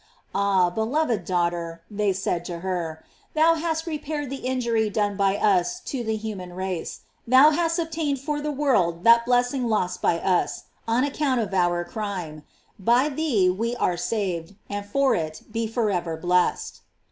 Ah, beloved daughter, they said to her, thou hast repaired the injury done by us to the human race; thou hast obtained for the world that blessing lost by us, on ac count of our crime: by thee we are saved, and for it be forever blessed.